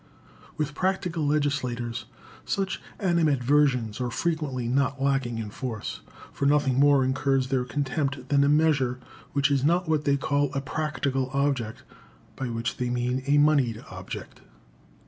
With practical legislators such animadversions are frequently not lacking in force, for nothing more incurs their contempt than a measure which has not what they call a practical object, by which they mean a moneyed object.